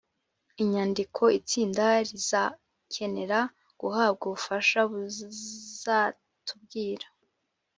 Inyandiko itsinda rizakenera guhabwa ubufasha buzatubwira